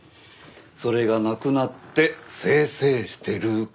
それがなくなって清々してるか。